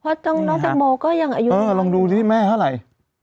เพราะน้องแตงโมก็ยังอายุเออลองดูสิแม่เท่าไหร่